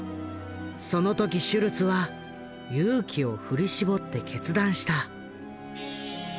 その時シュルツは勇気を振り絞って決断した。